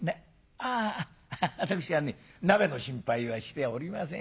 あ私はね鍋の心配はしておりません。